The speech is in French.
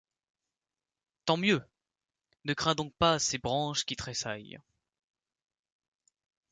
Tant mieux ! 'ne crains donc pas ces branches qui tressaillent.